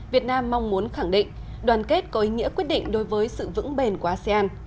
việt nam mong muốn khẳng định đoàn kết có ý nghĩa quyết định đối với sự vững bền của asean